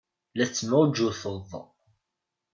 La tettemɛujjuteḍ.